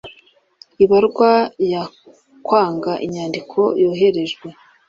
Ibarwa yo kwanga inyandiko yoherejwe